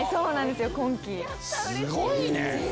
すごいね。